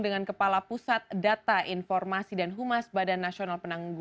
begitulah peristiwa dari kewasan di dunia diang